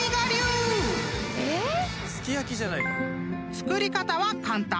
［作り方は簡単］